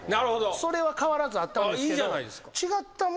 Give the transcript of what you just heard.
それは変わらずあったんですが。